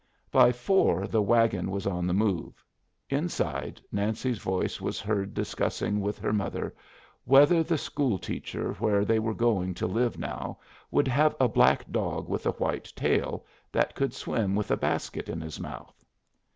By four the wagon was on the move. Inside, Nancy's voice was heard discussing with her mother whether the school teacher where they were going to live now would have a black dog with a white tail, that could swim with a basket in his mouth.